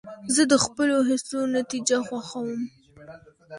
زه د خپلو هڅو نتیجه خوښوم.